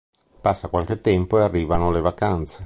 Passa qualche tempo e arrivano le vacanze.